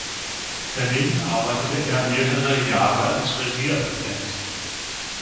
Daneben arbeitete er mehrere Jahre als Regieassistent.